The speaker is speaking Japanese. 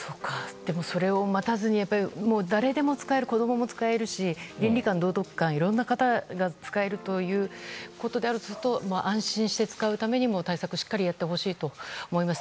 それを待たずに誰でも使える子供も使えるし倫理観、道徳観いろいろな方が使えるということであるとすると安心して使うためにも対策をしっかりやってほしいと思います。